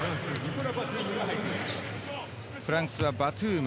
フランスはバトゥーム。